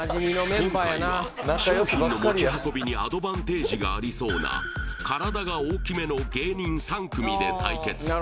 今回は商品の持ち運びにアドバンテージがありそうな体が大きめの芸人３組で対決